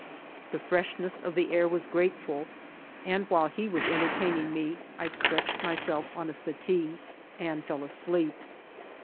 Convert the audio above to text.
The fireshness of the air was gratefiil; and while he was entertaining me, I stretched myself on a settee and fell asleep.